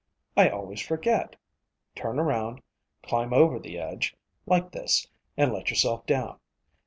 I always forget. Turn around, climb over the edge, like this, and let yourself down.